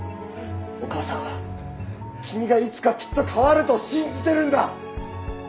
お母さんは君がいつかきっと変わると信じてるんだ！